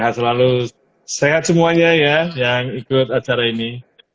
sehat selalu sehat semuanya ya yang ikut acara ini